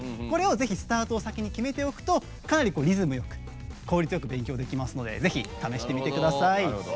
スタートを決めておくとかなりリズムよく効率よく勉強できますのでぜひ、試してみてください。